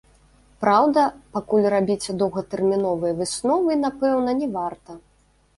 Праўда, пакуль рабіць доўгатэрміновыя высновы, напэўна, не варта.